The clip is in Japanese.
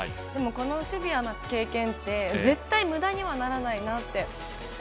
でも、このシビアな経験って絶対無駄にはならないなって。